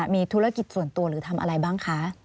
มีธุรกิจส่วนตัวหรือทำอะไรบ้างคะ